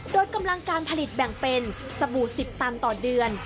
โดยกำลังการผลิตแบ่งเป็นสบู่๑๐ตันต่อเดือน